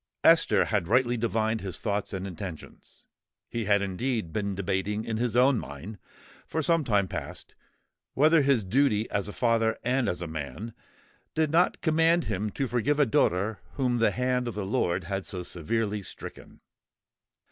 Esther had rightly divined his thoughts and intentions: he had indeed been debating in his own mind, for some time past, whether his duty, as a father and as a man, did not command him to forgive a daughter whom the hand of the Lord had so severely stricken.